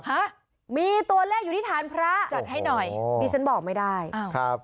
ฮะมีตัวเลขอยู่ที่ฐานพระจัดให้หน่อยดิฉันบอกไม่ได้อ้าวครับ